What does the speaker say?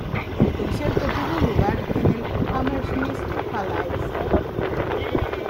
El concierto tuvo lugar en el Hammersmith Palais.